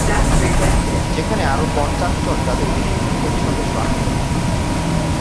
যেখানে আরও পঞ্চাশ জন, যাদের বেশিরভাগ পুলিশ সদস্য, আহত হন।